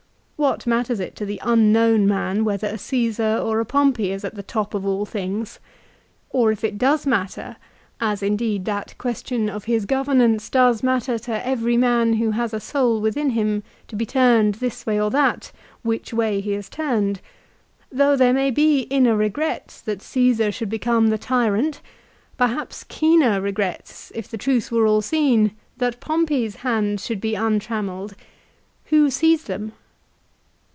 What matters it to the unknown man whether a Caesar or a Pompey is at the top of all things ? Or if it does matter, as indeed that question of his governance does matter to every man who has a soul within him to be turnel this way or that, which way he is turned, though there may be inner regrets that Caesar should become the tyrant, perhaps keener regrets if the truth were all seen, that Pompey's hands should be untrammelled, who sees them